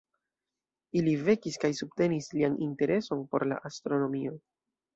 Ili vekis kaj subtenis lian intereson por la astronomio.